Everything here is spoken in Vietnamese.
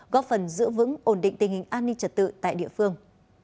góp phần giữ vững ổn định tình hình an ninh trật tự tại địa phương